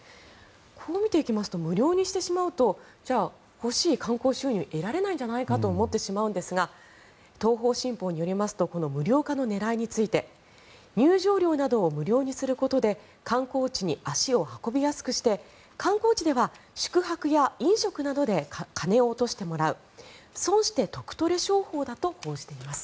こう見ていきますと無料にしてしまうと欲しい観光収入を得られないんじゃないかと思ってしまうんですが東方新報によりますとこの無料化の狙いについて入場料などを無料にすることで観光地に足を運びやすくして観光地では宿泊や飲食などで金を落としてもらう損して得取れ商法だと報じています。